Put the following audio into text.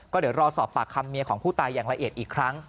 ก็เดี๋ยวรอสอบปากคำเมียของผู้ตายอย่างละเอียดอีกครั้ง